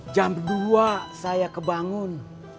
jam dua saya kebangun